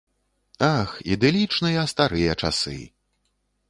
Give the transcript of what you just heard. Ах, ідылічныя старыя часы!